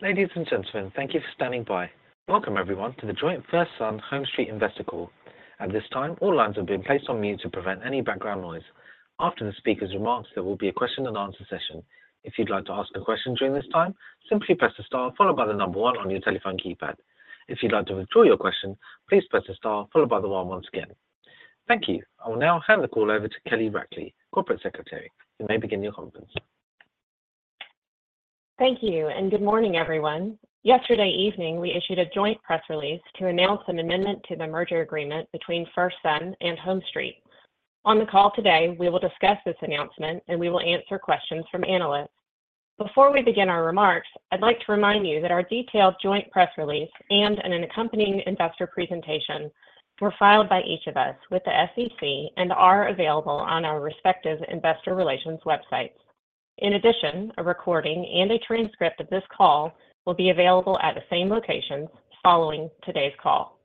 Ladies and gentlemen, thank you for standing by. Welcome everyone to the joint FirstSun HomeStreet Investor Call. At this time, all lines have been placed on mute to prevent any background noise. After the speaker's remarks, there will be a question and answer session. If you'd like to ask a question during this time, simply press the star followed by the number one on your telephone keypad. If you'd like to withdraw your question, please press the star followed by the one once again. Thank you. I will now hand the call over to Kelly Rackley, Corporate Secretary. You may begin your conference. Thank you, and good morning, everyone. Yesterday evening, we issued a joint press release to announce an amendment to the merger agreement between FirstSun and HomeStreet. On the call today, we will discuss this announcement, and we will answer questions from analysts. Before we begin our remarks, I'd like to remind you that our detailed joint press release and an accompanying investor presentation were filed by each of us with the SEC and are available on our respective investor relations websites. In addition, a recording and a transcript of this call will be available at the same locations following today's call.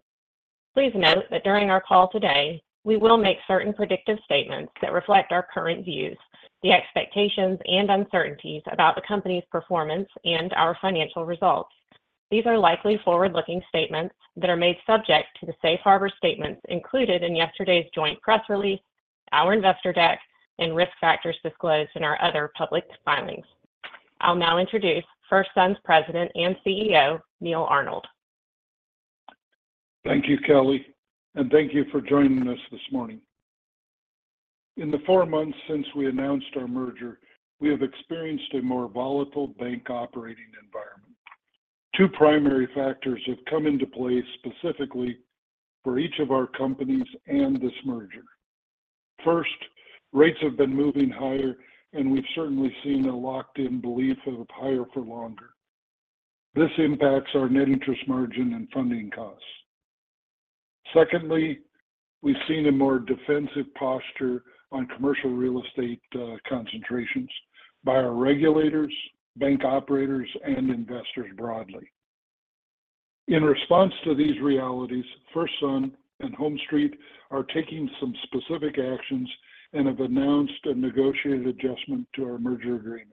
Please note that during our call today, we will make certain predictive statements that reflect our current views, the expectations and uncertainties about the company's performance, and our financial results. These are likely forward-looking statements that are made subject to the safe harbor statements included in yesterday's joint press release, our investor deck, and risk factors disclosed in our other public filings. I'll now introduce FirstSun's President and CEO, Neal Arnold. Thank you, Kelly, and thank you for joining us this morning. In the four months since we announced our merger, we have experienced a more volatile bank operating environment. Two primary factors have come into play specifically for each of our companies and this merger. First, rates have been moving higher, and we've certainly seen a locked-in belief of higher for longer. This impacts our net interest margin and funding costs. Secondly, we've seen a more defensive posture on commercial real estate concentrations by our regulators, bank operators, and investors broadly. In response to these realities, FirstSun and HomeStreet are taking some specific actions and have announced a negotiated adjustment to our merger agreement.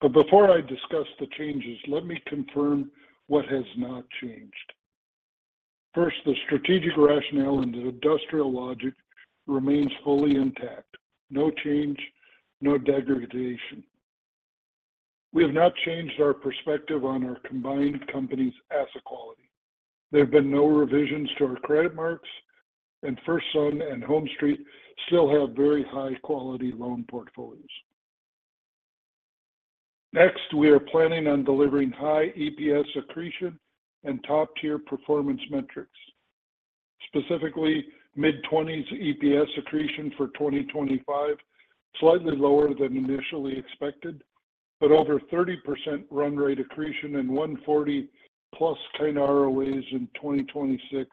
But before I discuss the changes, let me confirm what has not changed. First, the strategic rationale and the industrial logic remains fully intact. No change, no degradation. We have not changed our perspective on our combined company's asset quality. There have been no revisions to our credit marks, and FirstSun and HomeStreet still have very high-quality loan portfolios. Next, we are planning on delivering high EPS accretion and top-tier performance metrics. Specifically, mid-20s EPS accretion for 2025, slightly lower than initially expected, but over 30% run rate accretion and 1.40+% ROAs in 2026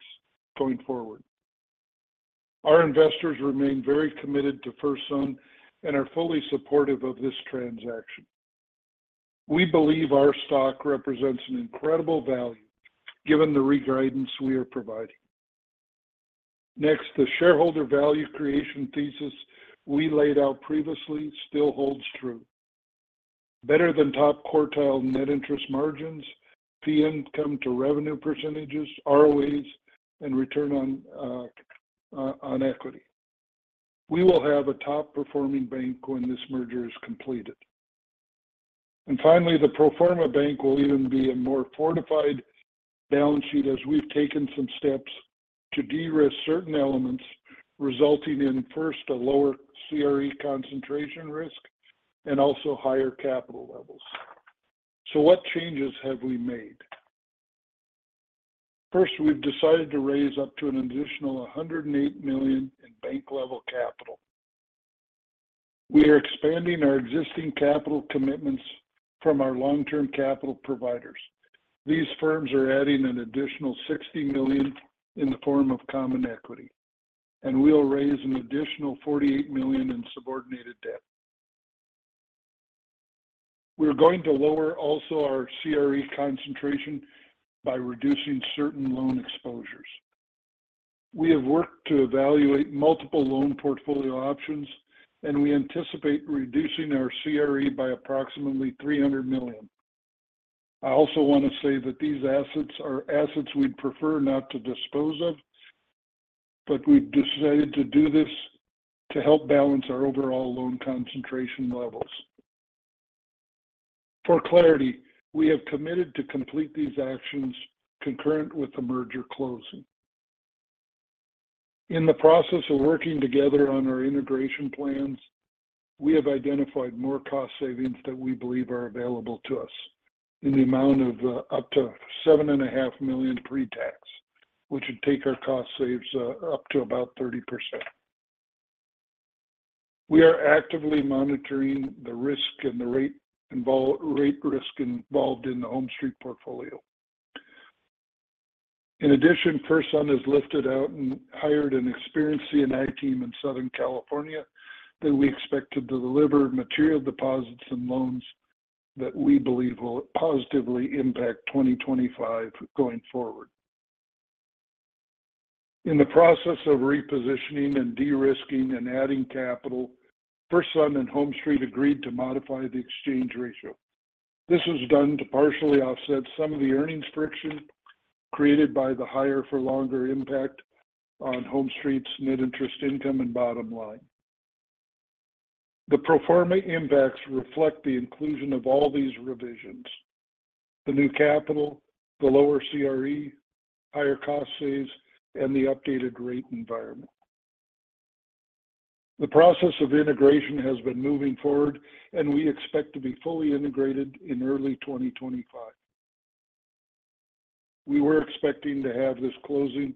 going forward. Our investors remain very committed to FirstSun and are fully supportive of this transaction. We believe our stock represents an incredible value given the reguidance we are providing. Next, the shareholder value creation thesis we laid out previously still holds true. Better than top-quartile net interest margins, fee income to revenue percentages, ROAs and return on equity. We will have a top-performing bank when this merger is completed. Finally, the pro forma bank will even be a more fortified balance sheet as we've taken some steps to de-risk certain elements, resulting in first, a lower CRE concentration risk and also higher capital levels. What changes have we made? First, we've decided to raise up to an additional $108 million in bank-level capital. We are expanding our existing capital commitments from our long-term capital providers. These firms are adding an additional $60 million in the form of common equity, and we'll raise an additional $48 million in subordinated debt. We're going to lower also our CRE concentration by reducing certain loan exposures. We have worked to evaluate multiple loan portfolio options, and we anticipate reducing our CRE by approximately $300 million. I also want to say that these assets are assets we'd prefer not to dispose of, but we've decided to do this to help balance our overall loan concentration levels. For clarity, we have committed to complete these actions concurrent with the merger closing. In the process of working together on our integration plans, we have identified more cost savings that we believe are available to us in the amount of up to $7.5 million pre-tax, which would take our cost saves up to about 30%. We are actively monitoring the risk and the rate risk involved in the HomeStreet portfolio. In addition, FirstSun has lifted out and hired an experienced C&I team in Southern California that we expect to deliver material deposits and loans that we believe will positively impact 2025 going forward. In the process of repositioning and de-risking and adding capital, FirstSun and HomeStreet agreed to modify the exchange ratio. This was done to partially offset some of the earnings friction created by the higher for longer impact on HomeStreet's net interest income and bottom line. The pro forma impacts reflect the inclusion of all these revisions: the new capital, the lower CRE, higher cost saves, and the updated rate environment. The process of integration has been moving forward, and we expect to be fully integrated in early 2025. We were expecting to have this closing,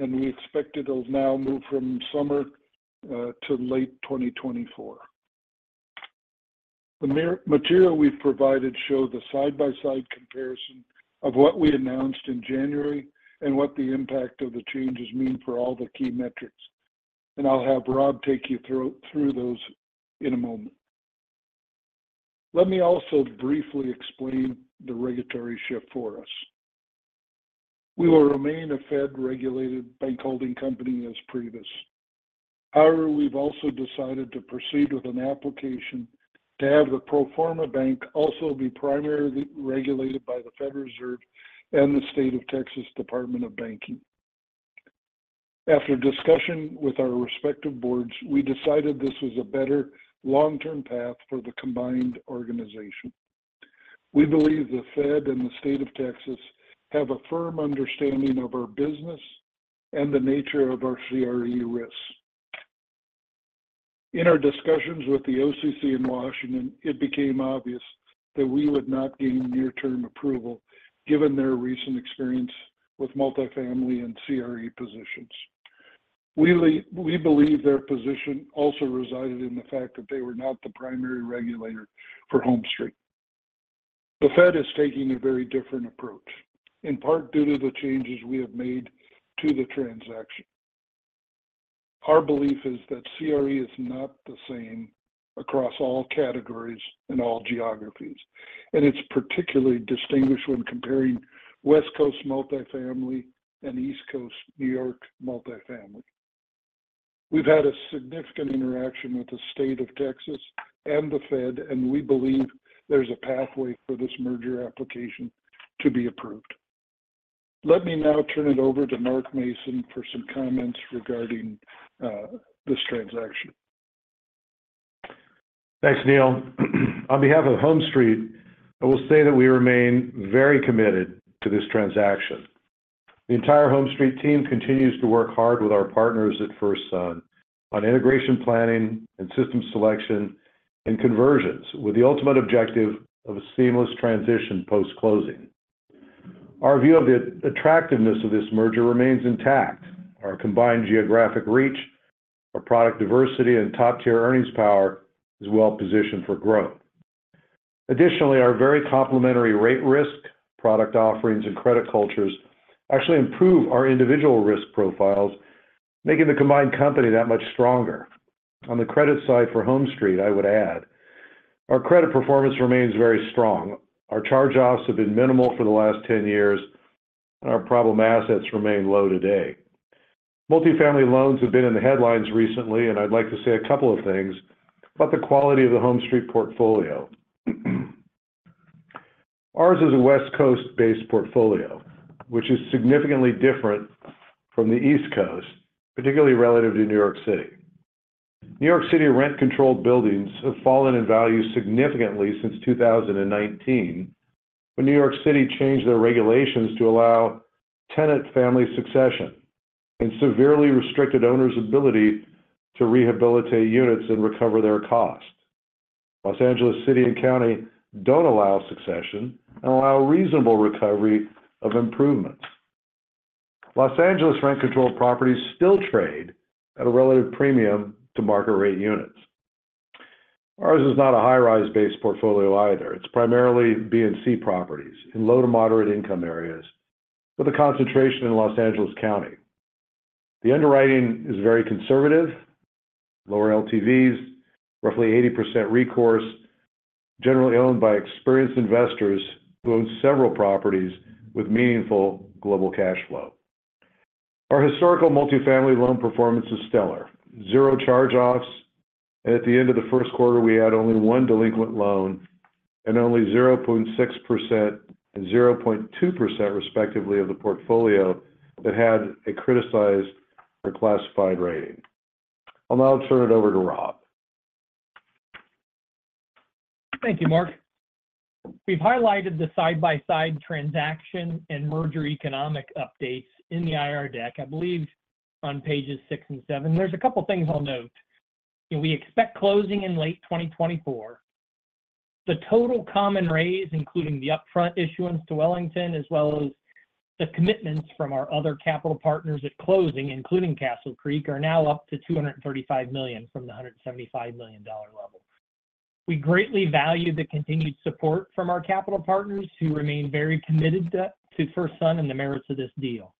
and we expect it'll now move from summer to late 2024. The material we've provided shows the side-by-side comparison of what we announced in January and what the impact of the changes mean for all the key metrics. And I'll have Rob take you through those in a moment. Let me also briefly explain the regulatory shift for us. We will remain a Fed-regulated bank holding company as previously. However, we've also decided to proceed with an application to have the pro forma bank also be primarily regulated by the Federal Reserve and the Texas Department of Banking. After discussion with our respective boards, we decided this was a better long-term path for the combined organization. We believe the Fed and the State of Texas have a firm understanding of our business and the nature of our CRE risks. In our discussions with the OCC in Washington, it became obvious that we would not gain near-term approval given their recent experience with multifamily and CRE positions. We believe their position also resided in the fact that they were not the primary regulator for HomeStreet. The Fed is taking a very different approach, in part due to the changes we have made to the transaction. Our belief is that CRE is not the same across all categories and all geographies, and it's particularly distinguished when comparing West Coast multifamily and East Coast, New York multifamily. We've had a significant interaction with the State of Texas and the Fed, and we believe there's a pathway for this merger application to be approved. Let me now turn it over to Mark Mason for some comments regarding this transaction. Thanks, Neal. On behalf of HomeStreet, I will say that we remain very committed to this transaction. The entire HomeStreet team continues to work hard with our partners at FirstSun on integration planning and system selection and conversions, with the ultimate objective of a seamless transition post-closing. Our view of the attractiveness of this merger remains intact. Our combined geographic reach, our product diversity, and top-tier earnings power is well positioned for growth. Additionally, our very complementary rate risk, product offerings, and credit cultures actually improve our individual risk profiles, making the combined company that much stronger. On the credit side for HomeStreet, I would add, our credit performance remains very strong. Our charge-offs have been minimal for the last 10 years, and our problem assets remain low today. Multifamily loans have been in the headlines recently, and I'd like to say a couple of things about the quality of the HomeStreet portfolio. Ours is a West Coast-based portfolio, which is significantly different from the East Coast, particularly relative to New York City. New York City rent-controlled buildings have fallen in value significantly since 2019, when New York City changed their regulations to allow tenant family succession and severely restricted owners' ability to rehabilitate units and recover their costs. Los Angeles City and County don't allow succession and allow reasonable recovery of improvements. Los Angeles rent-controlled properties still trade at a relative premium to market-rate units. Ours is not a high-rise-based portfolio either. It's primarily B and C properties in low to moderate income areas, with a concentration in Los Angeles County. The underwriting is very conservative, lower LTVs, roughly 80% recourse, generally owned by experienced investors who own several properties with meaningful global cash flow. Our historical multifamily loan performance is stellar. Zero charge-offs, and at the end of the first quarter, we had only one delinquent loan and only 0.6% and 0.2%, respectively, of the portfolio that had a criticized or classified rating. I'll now turn it over to Rob. Thank you, Mark. We've highlighted the side-by-side transaction and merger economic updates in the IR deck, I believe on pages six and seven. There's a couple of things I'll note. We expect closing in late 2024. The total common raise, including the upfront issuance to Wellington, as well as the commitments from our other capital partners at closing, including Castle Creek, are now up to $235 million from the $175 million level. We greatly value the continued support from our capital partners, who remain very committed to FirstSun and the merits of this deal.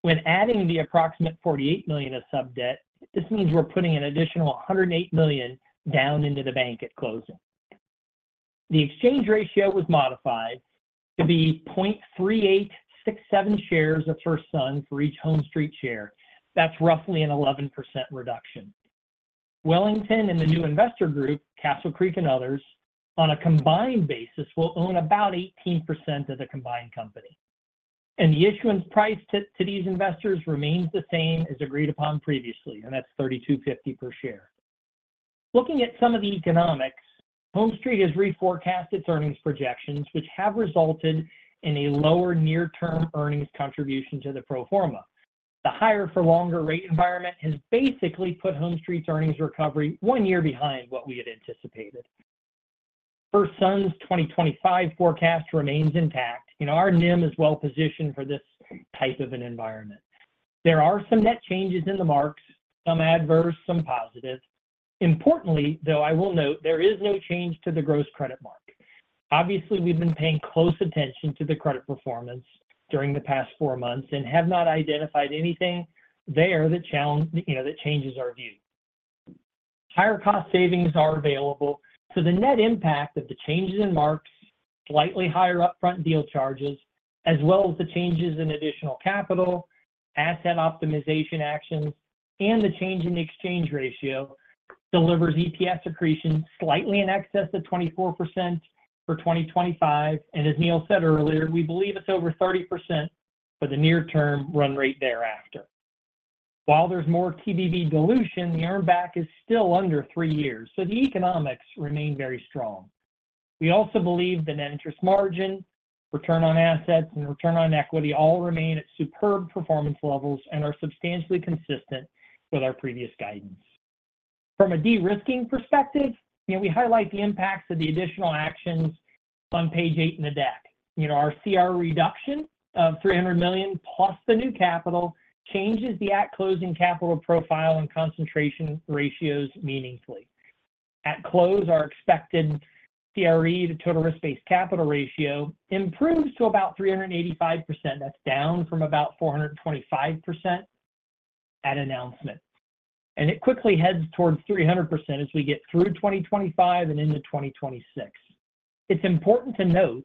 When adding the approximate $48 million of sub-debt, this means we're putting an additional $108 million down into the bank at closing. The exchange ratio was modified to be 0.3867 shares of FirstSun for each HomeStreet share. That's roughly an 11% reduction. Wellington and the new investor group, Castle Creek and others, on a combined basis, will own about 18% of the combined company. The issuance price to these investors remains the same as agreed upon previously, and that's $32.50 per share. Looking at some of the economics, HomeStreet has reforecast its earnings projections, which have resulted in a lower near-term earnings contribution to the pro forma. The higher for longer rate environment has basically put HomeStreet's earnings recovery one year behind what we had anticipated. FirstSun's 2025 forecast remains intact. You know, our NIM is well positioned for this type of an environment. There are some net changes in the marks, some adverse, some positive. Importantly, though, I will note there is no change to the gross credit mark. Obviously, we've been paying close attention to the credit performance during the past four months and have not identified anything there that, you know, changes our view. Higher cost savings are available, so the net impact of the changes in marks, slightly higher upfront deal charges, as well as the changes in additional capital, asset optimization actions, and the change in the exchange ratio, delivers EPS accretion slightly in excess of 24% for 2025. As Neal said earlier, we believe it's over 30% for the near term run rate thereafter. While there's more TBV dilution, the earnback is still under three years, so the economics remain very strong. We also believe that interest margin, return on assets, and return on equity all remain at superb performance levels and are substantially consistent with our previous guidance. From a de-risking perspective, you know, we highlight the impacts of the additional actions on page 8 in the deck. You know, our CRE reduction of $300 million plus the new capital, changes the at closing capital profile and concentration ratios meaningfully. At close, our expected CRE to total risk-based capital ratio improves to about 385%. That's down from about 425% at announcement. And it quickly heads towards 300% as we get through 2025 and into 2026. It's important to note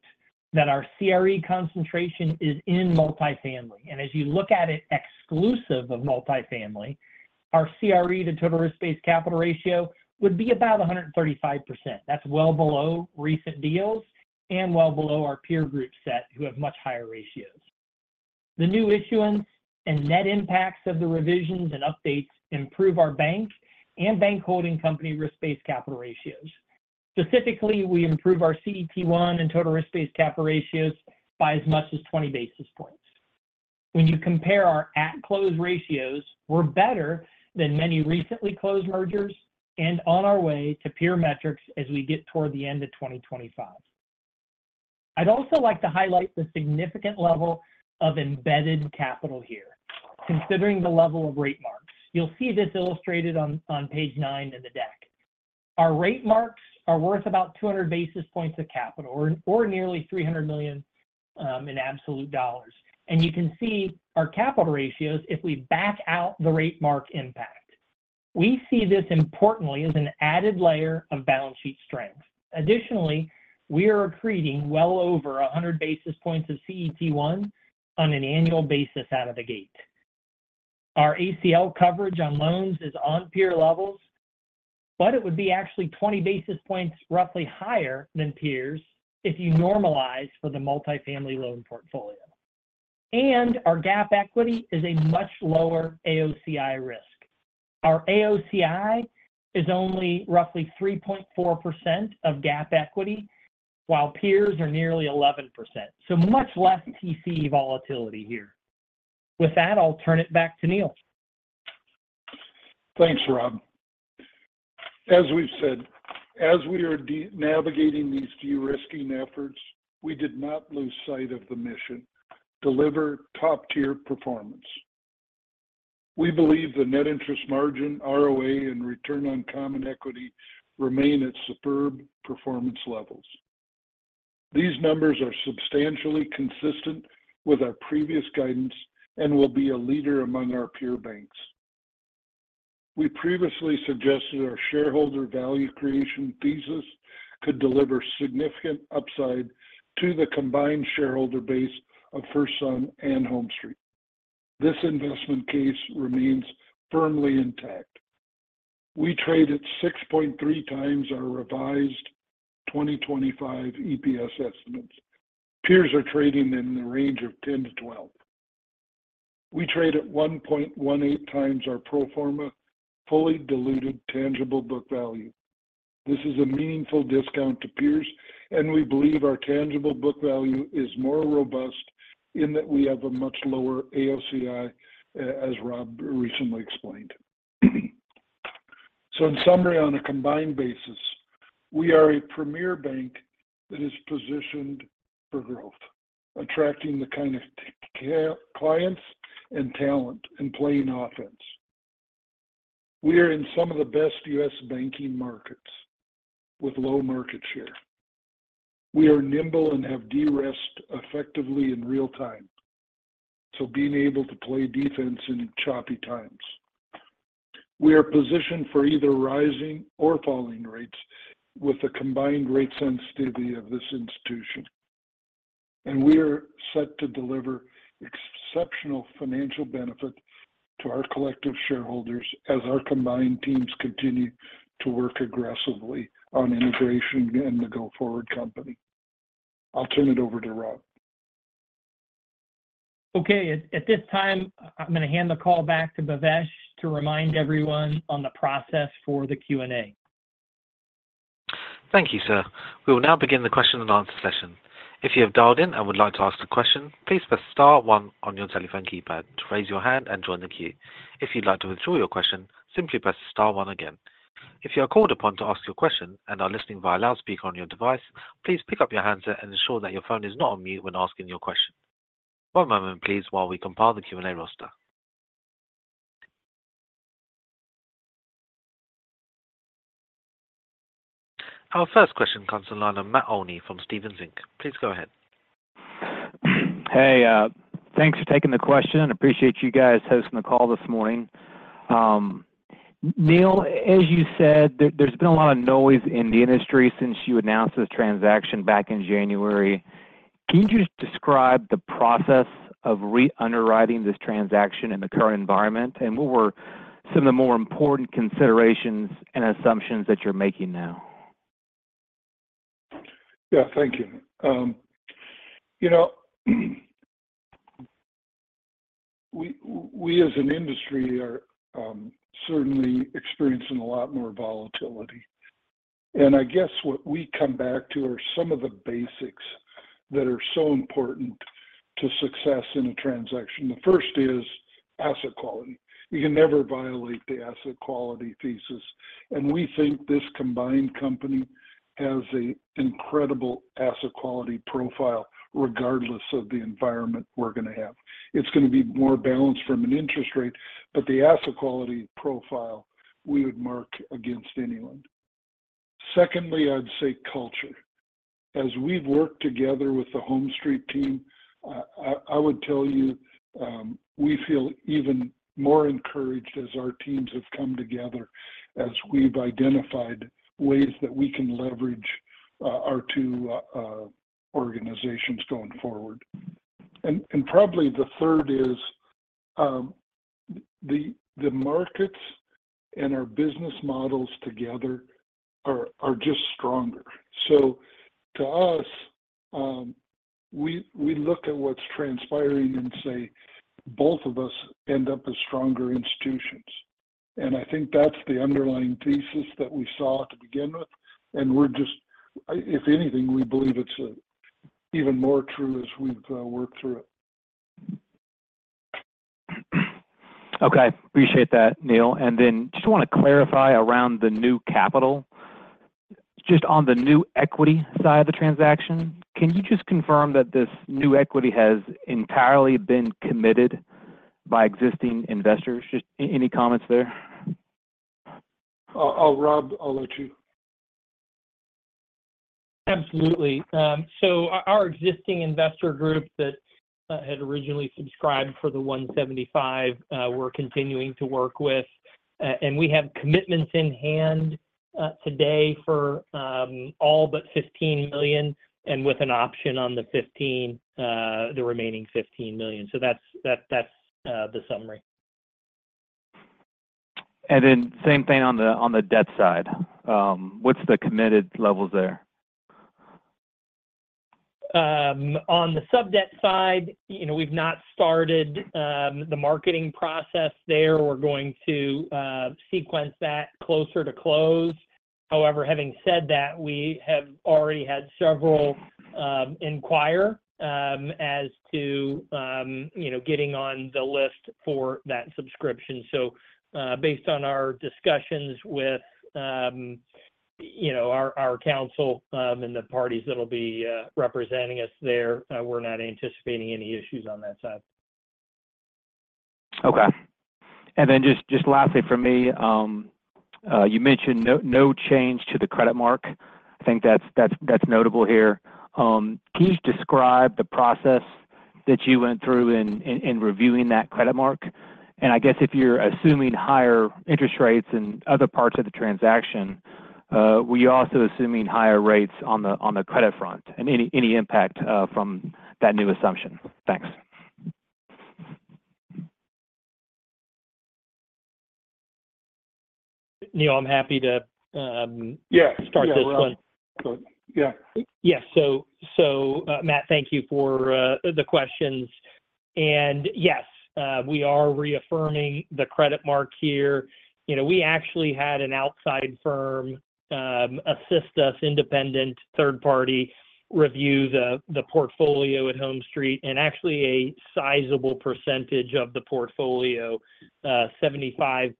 that our CRE concentration is in multifamily, and as you look at it exclusive of multifamily, our CRE to total risk-based capital ratio would be about 135%. That's well below recent deals and well below our peer group set, who have much higher ratios. The new issuance and net impacts of the revisions and updates improve our bank and bank holding company risk-based capital ratios. Specifically, we improve our CET1 and total risk-based capital ratios by as much as 20 basis points. When you compare our at-close ratios, we're better than many recently closed mergers and on our way to peer metrics as we get toward the end of 2025. I'd also like to highlight the significant level of embedded capital here, considering the level of rate marks. You'll see this illustrated on page nine in the deck. Our rate marks are worth about 200 basis points of capital or nearly $300 million in absolute dollars. And you can see our capital ratios if we back out the rate mark impact. We see this importantly as an added layer of balance sheet strength. Additionally, we are accreting well over 100 basis points of CET1 on an annual basis out of the gate. Our ACL coverage on loans is on peer levels, but it would be actually 20 basis points roughly higher than peers if you normalize for the multifamily loan portfolio. Our GAAP equity is a much lower AOCI risk. Our AOCI is only roughly 3.4% of GAAP equity, while peers are nearly 11%. So much less AOCI volatility here. With that, I'll turn it back to Neal. Thanks, Rob. As we've said, as we are navigating these de-risking efforts, we did not lose sight of the mission: deliver top-tier performance. We believe the net interest margin, ROA, and return on common equity remain at superb performance levels. These numbers are substantially consistent with our previous guidance and will be a leader among our peer banks. We previously suggested our shareholder value creation thesis could deliver significant upside to the combined shareholder base of FirstSun and HomeStreet. This investment case remains firmly intact. We trade at 6.3 times our revised 2025 EPS estimates. Peers are trading in the range of 10-12. We trade at 1.18 times our pro forma, fully diluted tangible book value. This is a meaningful discount to peers, and we believe our tangible book value is more robust in that we have a much lower AOCI, as Rob recently explained. So in summary, on a combined basis, we are a premier bank that is positioned for growth, attracting the kind of clients and talent and playing offense. We are in some of the best U.S. banking markets with low market share. We are nimble and have de-risked effectively in real time, so being able to play defense in choppy times. We are positioned for either rising or falling rates with the combined rate sensitivity of this institution. And we are set to deliver exceptional financial benefit to our collective shareholders as our combined teams continue to work aggressively on integration and the go-forward company. I'll turn it over to Rob. Okay. At this time, I'm going to hand the call back to Bhavesh to remind everyone on the process for the Q&A. Thank you, sir. We will now begin the question and answer session. If you have dialed in and would like to ask a question, please press star one on your telephone keypad to raise your hand and join the queue. If you'd like to withdraw your question, simply press star one again. If you are called upon to ask your question and are listening via loudspeaker on your device, please pick up your handset and ensure that your phone is not on mute when asking your question. One moment, please, while we compile the Q&A roster. Our first question comes on the line of Matt Olney from Stephens Inc. Please go ahead. Hey, thanks for taking the question, and appreciate you guys hosting the call this morning. Neal, as you said, there's been a lot of noise in the industry since you announced this transaction back in January. Can you just describe the process of re-underwriting this transaction in the current environment? And what were some of the more important considerations and assumptions that you're making now? Yeah, thank you. You know, we as an industry are certainly experiencing a lot more volatility. And I guess what we come back to are some of the basics that are so important to success in a transaction. The first is asset quality. You can never violate the asset quality thesis, and we think this combined company has an incredible asset quality profile, regardless of the environment we're going to have. It's going to be more balanced from an interest rate, but the asset quality profile, we would mark against anyone. Secondly, I'd say culture. As we've worked together with the HomeStreet team, I would tell you, we feel even more encouraged as our teams have come together, as we've identified ways that we can leverage our two organizations going forward. And probably the third is, the markets and our business models together are just stronger. So to us, we look at what's transpiring and say, both of us end up as stronger institutions. And I think that's the underlying thesis that we saw to begin with, and we're just—if anything, we believe it's even more true as we've worked through it. Okay. Appreciate that, Neil. Then just want to clarify around the new capital. Just on the new equity side of the transaction, can you just confirm that this new equity has entirely been committed by existing investors? Just any comments there? Rob, I'll let you. Absolutely. So our existing investor group that had originally subscribed for the $175 million, we're continuing to work with. And we have commitments in hand today for all but $15 million, and with an option on the $15, the remaining $15 million. So that's the summary. Same thing on the debt side. What's the committed levels there? On the sub-debt side, you know, we've not started the marketing process there. We're going to sequence that closer to close. However, having said that, we have already had several inquiries as to, you know, getting on the list for that subscription. So, based on our discussions with, you know, our counsel, and the parties that'll be representing us there, we're not anticipating any issues on that side. Okay. And then lastly for me, you mentioned no change to the credit mark. I think that's notable here. Can you describe the process that you went through reviewing that credit mark? And I guess if you're assuming higher interest rates in other parts of the transaction, were you also assuming higher rates on the credit front, and any impact from that new assumption? Thanks. Neil, I'm happy to- Yeah... start this one. Good. Yeah. Yes. So, Matt, thank you for the questions. And yes, we are reaffirming the credit mark here. You know, we actually had an outside firm assist us, independent third party, review the portfolio at HomeStreet, and actually a sizable percentage of the portfolio, 75%+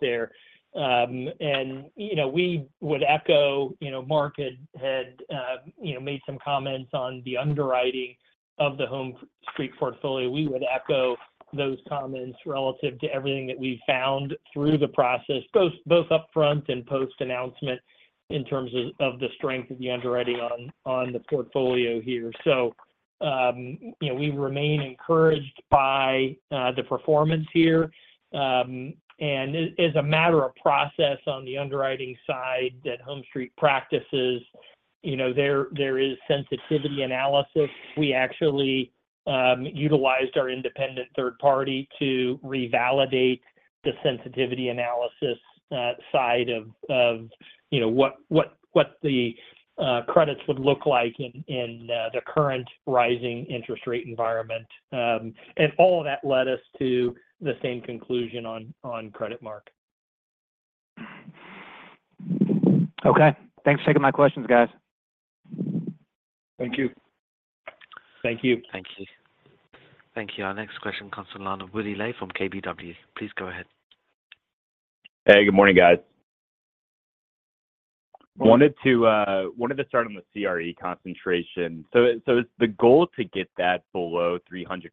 there. And, you know, we would echo, you know, Mark had you know, made some comments on the underwriting of the HomeStreet portfolio. We would echo those comments relative to everything that we found through the process, both upfront and post-announcement, in terms of the strength of the underwriting on the portfolio here. So, you know, we remain encouraged by the performance here. And as a matter of process on the underwriting side that HomeStreet practices, you know, there is sensitivity analysis. We actually utilized our independent third party to revalidate the sensitivity analysis side of you know what the credits would look like in the current rising interest rate environment. And all of that led us to the same conclusion on credit mark. Okay, thanks for taking my questions, guys. Thank you. Thank you. Thank you. Thank you. Our next question comes from the line of Woody Lay from KBW. Please go ahead. Hey, good morning, guys. Wanted to start on the CRE concentration. So is the goal to get that below 300%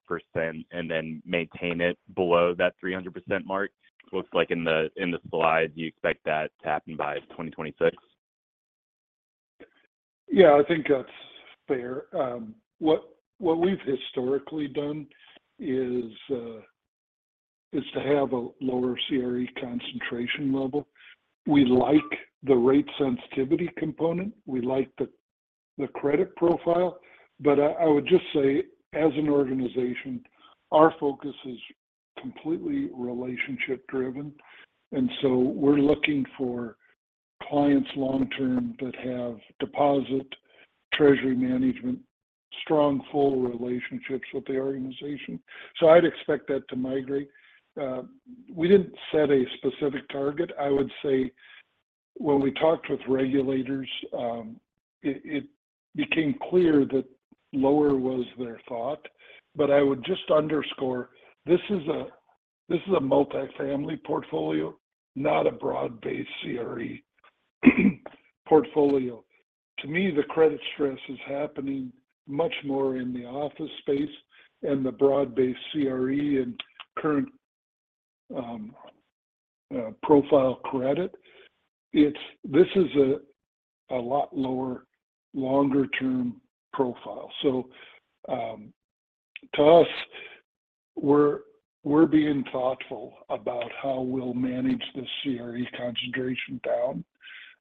and then maintain it below that 300% mark? Looks like in the slide, you expect that to happen by 2026. Yeah, I think that's fair. What we've historically done is to have a lower CRE concentration level. We like the rate sensitivity component. We like the credit profile, but I would just say, as an organization, our focus is completely relationship driven, and so we're looking for clients long term that have deposit, treasury management, strong, full relationships with the organization. So I'd expect that to migrate. We didn't set a specific target. I would say when we talked with regulators, it became clear that lower was their thought. But I would just underscore, this is a multifamily portfolio, not a broad-based CRE portfolio. To me, the credit stress is happening much more in the office space and the broad-based CRE and current profile credit. It's. This is a lot lower, longer term profile. So, to us, we're being thoughtful about how we'll manage the CRE concentration down,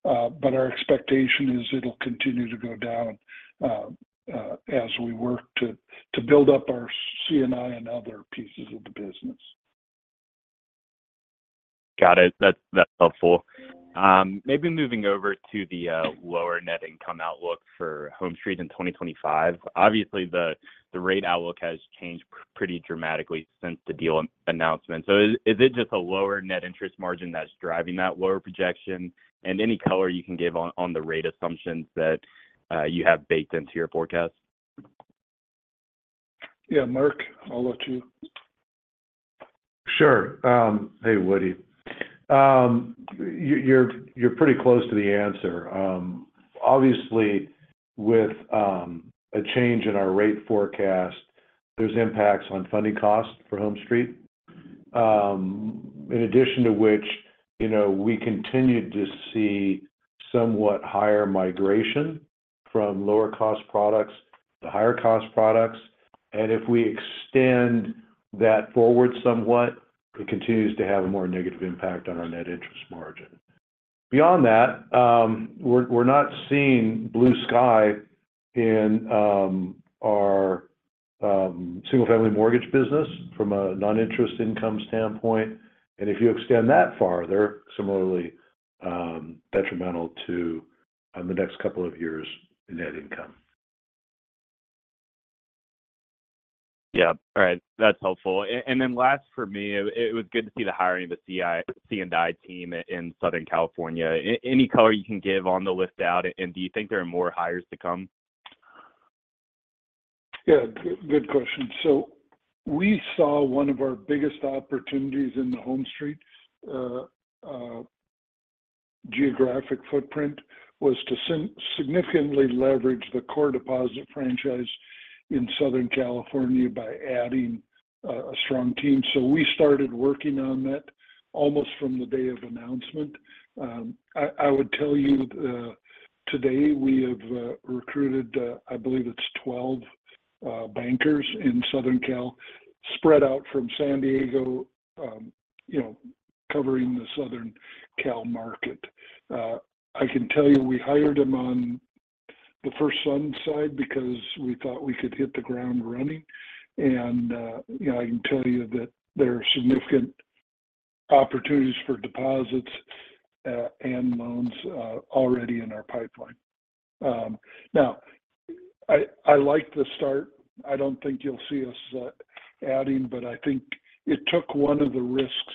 but our expectation is it'll continue to go down, as we work to build up our C&I and other pieces of the business. Got it. That's helpful. Maybe moving over to the lower net income outlook for HomeStreet in 2025. Obviously, the rate outlook has changed pretty dramatically since the deal announcement. So is it just a lower net interest margin that's driving that lower projection? And any color you can give on the rate assumptions that you have baked into your forecast. Yeah, Mark, I'll let you. Sure. Hey, Woody. You're pretty close to the answer. Obviously, with a change in our rate forecast, there's impacts on funding costs for HomeStreet. In addition to which, you know, we continued to see somewhat higher migration from lower cost products to higher cost products, and if we extend that forward somewhat, it continues to have a more negative impact on our net interest margin. Beyond that, we're not seeing blue sky in our single-family mortgage business from a non-interest income standpoint, and if you extend that farther, similarly, detrimental to on the next couple of years in net income. Yeah. All right. That's helpful. And then last for me, it was good to see the hiring of the C&I team in Southern California. Any color you can give on the list out, and do you think there are more hires to come? Yeah, good, good question. So we saw one of our biggest opportunities in the HomeStreet geographic footprint, was to significantly leverage the core deposit franchise in Southern California by adding a strong team. So we started working on that almost from the day of announcement. I would tell you, today we have recruited, I believe it's 12 bankers in Southern Cal, spread out from San Diego, you know, covering the Southern Cal market. I can tell you, we hired them on the FirstSun side because we thought we could hit the ground running, and, you know, I can tell you that there are significant opportunities for deposits and loans already in our pipeline. Now, I like the start. I don't think you'll see us adding, but I think it took one of the risks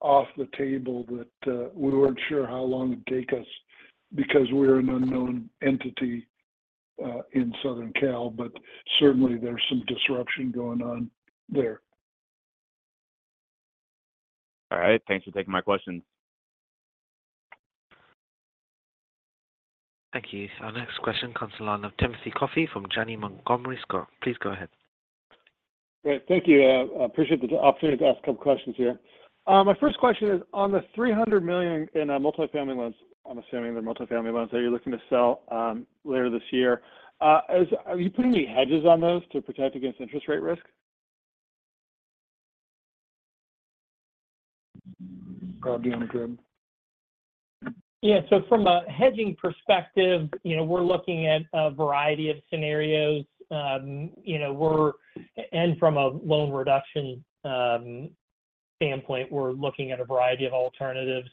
off the table that we weren't sure how long it take us because we're an unknown entity in Southern Cal. But certainly there's some disruption going on there. All right. Thanks for taking my questions. Thank you. Our next question comes to line of Timothy Coffey from Janney Montgomery Scott. Please go ahead. Great. Thank you. I appreciate the opportunity to ask a couple questions here. My first question is on the $300 million in multifamily loans, I'm assuming they're multifamily loans, that you're looking to sell later this year. Is—are you putting any hedges on those to protect against interest rate risk? Yeah, so from a hedging perspective, you know, we're looking at a variety of scenarios. You know, from a loan reduction standpoint, we're looking at a variety of alternatives.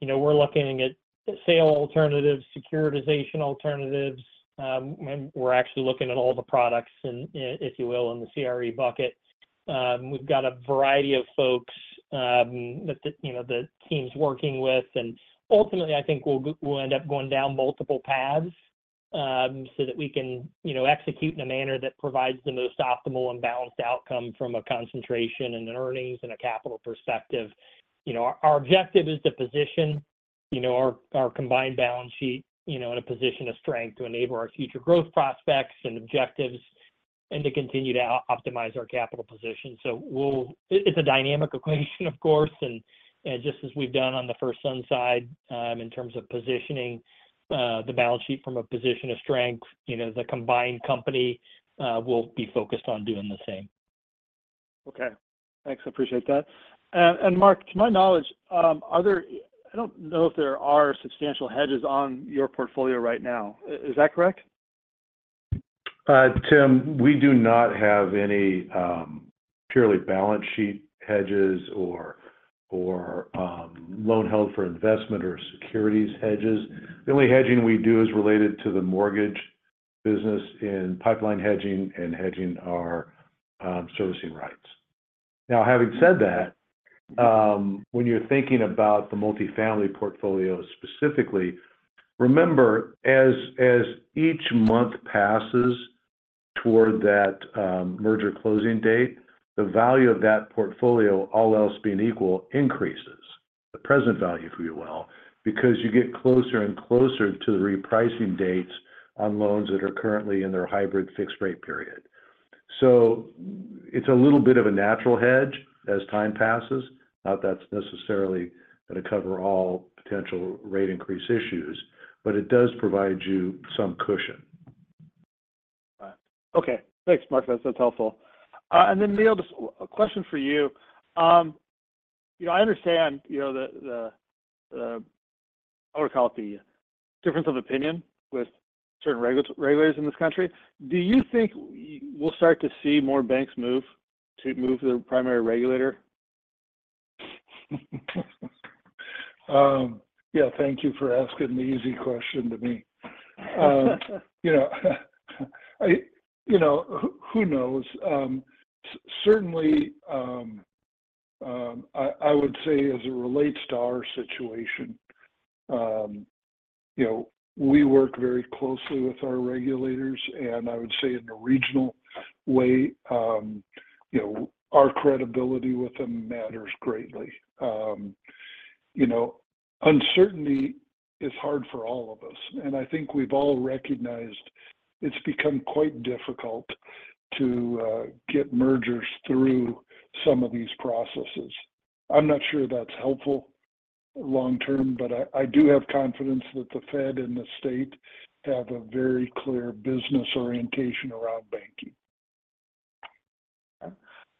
You know, we're looking at sale alternatives, securitization alternatives, and we're actually looking at all the products and, if you will, in the CRE bucket. We've got a variety of folks that, you know, the team's working with, and ultimately, I think we'll end up going down multiple paths, so that we can, you know, execute in a manner that provides the most optimal and balanced outcome from a concentration in the earnings and a capital perspective. You know, our objective is to position, you know, our combined balance sheet, you know, in a position of strength to enable our future growth prospects and objectives, and to continue to optimize our capital position. So it's a dynamic equation, of course, and just as we've done on the FirstSun side, in terms of positioning the balance sheet from a position of strength, you know, the combined company will be focused on doing the same. Okay. Thanks. I appreciate that. And, Mark, to my knowledge, I don't know if there are substantial hedges on your portfolio right now. Is that correct? Tim, we do not have any purely balance sheet hedges or loan held for investment or securities hedges. The only hedging we do is related to the mortgage business in pipeline hedging and hedging our servicing rights. Now, having said that, when you're thinking about the multifamily portfolio specifically, remember, as each month passes toward that merger closing date, the value of that portfolio, all else being equal, increases. The present value, if you will, because you get closer and closer to the repricing dates on loans that are currently in their hybrid fixed rate period. So it's a little bit of a natural hedge as time passes. Note that's necessarily going to cover all potential rate increase issues, but it does provide you some cushion. Okay. Thanks, Mark. That's, that's helpful. And then, Neal, just a question for you. You know, I understand, you know, I want to call it, the difference of opinion with certain regulators in this country. Do you think we'll start to see more banks move, to move to the primary regulator? Yeah, thank you for asking the easy question to me. You know, who, who knows? Certainly, I would say as it relates to our situation, you know, we work very closely with our regulators, and I would say in a regional way, you know, our credibility with them matters greatly. You know, uncertainty is hard for all of us, and I think we've all recognized it's become quite difficult to get mergers through some of these processes. I'm not sure that's helpful long term, but I do have confidence that the Fed and the state have a very clear business orientation around banking.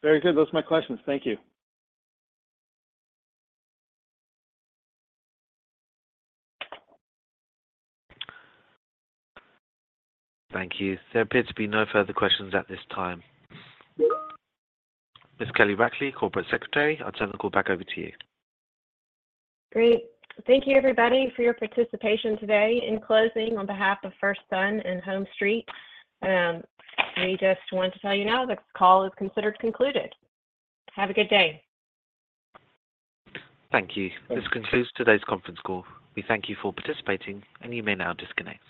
Very good. Those are my questions. Thank you. Thank you. There appears to be no further questions at this time. Miss Kelly Rackley, Corporate Secretary, I'll turn the call back over to you. Great. Thank you, everybody, for your participation today. In closing, on behalf of FirstSun and HomeStreet, we just want to tell you now this call is considered concluded. Have a good day. Thank you. This concludes today's conference call. We thank you for participating, and you may now disconnect.